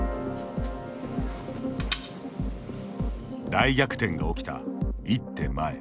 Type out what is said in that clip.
大逆転が起きた、一手前。